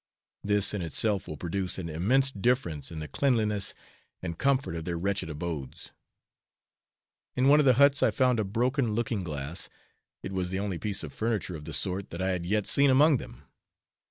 This in itself will produce an immense difference in the cleanliness and comfort of their wretched abodes. In one of the huts I found a broken looking glass; it was the only piece of furniture of the sort that I had yet seen among them.